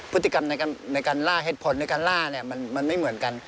พฤติกรรมในการล่าเหตุผลในการล่ามันไม่เหมือนกัน